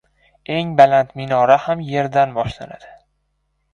• Eng baland minora ham yerdan boshlanadi.